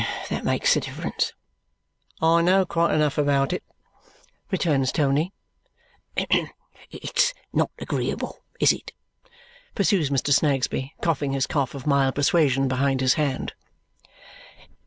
That makes a difference." "I know quite enough about it," returns Tony. "It's not agreeable, is it?" pursues Mr. Snagsby, coughing his cough of mild persuasion behind his hand.